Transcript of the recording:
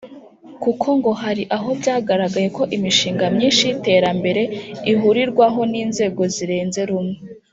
kuko ngo hari aho byagaragaye ko imishinga myinshi y’iterambere ihurirwaho n’inzego zirenze rumwe